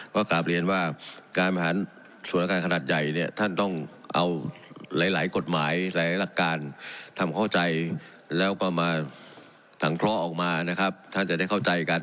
ก็กลับเรียนว่าการบริหารส่วนอาการขนาดใหญ่เนี่ยท่านต้องเอาหลายกฎหมายหลายหลักการทำเข้าใจแล้วก็มาสังเคราะห์ออกมานะครับท่านจะได้เข้าใจกัน